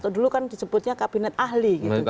dulu kan disebutnya kabinet ahli